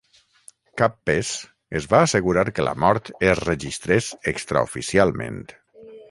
Kappes es va assegurar que la mort es registrés "extraoficialment".